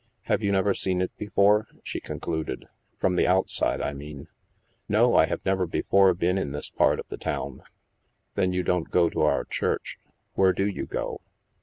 " Have you never seen it before ?" she concluded. " From the outside, I mean ?"" No, I have never before been in this part of the town." " Then you don't go to our church. Where do you go